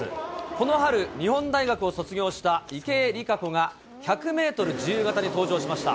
この春、日本大学を卒業した池江璃花子が、１００メートル自由形に登場しました。